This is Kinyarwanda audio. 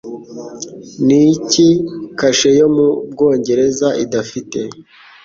Ni iki kashe yo mu Bwongereza idafite?